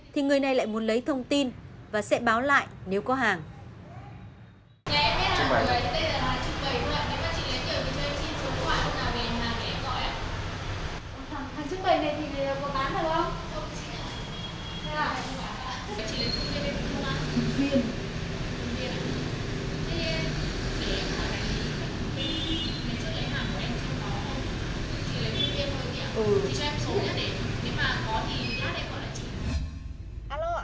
theo người này thì đây là cách mà các cửa hàng gom hàng để đẩy giá lên